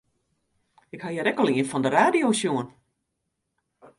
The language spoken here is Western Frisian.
Ik ha hjir ek al ien fan de radio sjoen.